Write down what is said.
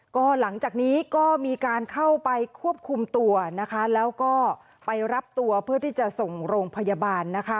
ก็หลังจากนี้ก็มีการเข้าไปควบคุมตัวนะคะแล้วก็ไปรับตัวเพื่อที่จะส่งโรงพยาบาลนะคะ